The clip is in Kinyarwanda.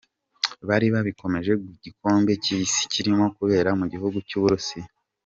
Bari babikomoje ku gikombe cy’ Isi kirimo kubera mu gihugu cy’ Uburusiya.